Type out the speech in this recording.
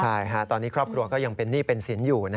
ใช่ตอนนี้ครอบครัวก็ยังเป็นหนี้เป็นสินอยู่